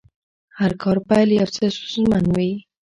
د هر کار پیل یو څه ستونزمن وي.